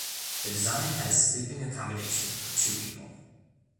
The design has sleeping accommodation for two people.